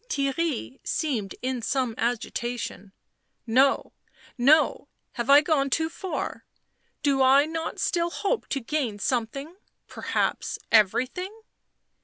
Theirry seemed in some agitation. " No, no — have I not gone too far ? Do I not still hope to gain some thing — perhaps everything